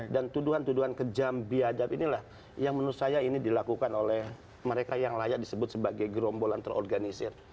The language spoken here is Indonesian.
dan tuduhan tuduhan kejam biadab inilah yang menurut saya ini dilakukan oleh mereka yang layak disebut sebagai gerombolan terorganisir